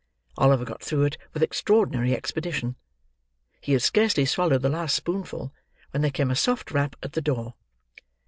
Oliver got through it with extraordinary expedition. He had scarcely swallowed the last spoonful, when there came a soft rap at the door.